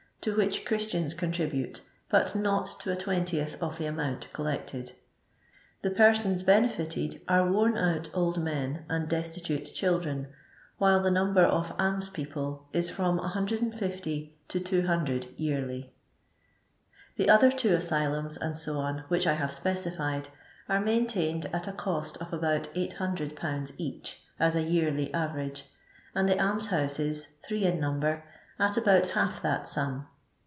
to which Christians contribute, but not to a twentieth of the amount collected. The persons benefited are worn out old men, and destitute children, while the number of almspeople is from 150 to 200 yearly. The other two asylums, &&, which I have specified, are maintained at a cost of about 800/. each, as a yearly average, and the Almshouses, three in number, at about half that sum.